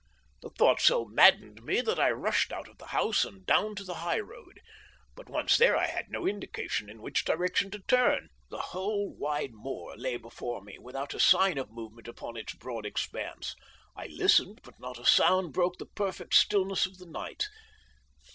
"The thought so maddened me that I rushed out of the house and down to the high road, but once there I had no indication in which direction to turn. The whole wide moor lay before me, without a sign of movement upon its broad expanse. I listened, but not a sound broke the perfect stillness of the night.